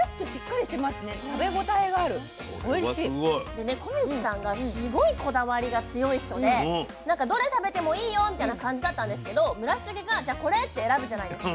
でね小道さんがすごいこだわりが強い人でなんか「どれ食べてもいいよ」みたいな感じだったんですけど村重が「じゃあこれ」って選ぶじゃないですか。